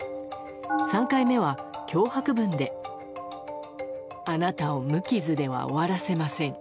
３回目は脅迫文で「あなたを無傷では終わらせません」